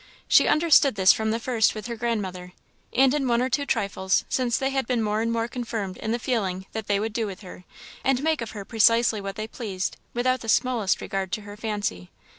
She understood this from the first with her grandmother; and in one or two trifles since had been more and more confirmed in the feeling that they would do with her, and make of her precisely what they pleased, without the smallest regard to her fancy.